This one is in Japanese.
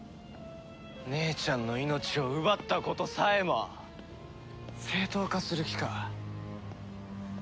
姉ちゃんの命を奪ったことさえも正当化する気か。